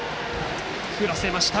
振らせました。